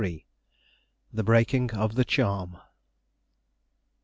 THE BREAKING OF THE CHARM.